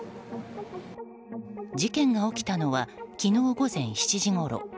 事件が起きたのは昨日午前７時ごろ。